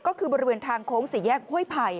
ก็คือบริเวณทางโค้งสี่แยกห้วยไผ่